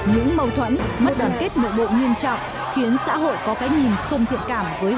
những mâu thuẫn mất đoàn kết nội bộ nghiêm trọng khiến xã hội có cái nhìn không thiện cảm với